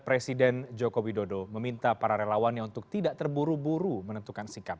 presiden joko widodo meminta para relawannya untuk tidak terburu buru menentukan sikap